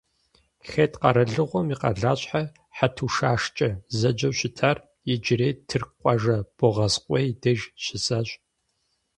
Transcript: Хетт къэралыгъуэм и къалащхьэр, Хьэтушашкӏэ зэджэу щытар, иджырей тырку къуажэ Богъазкъуей деж щысащ.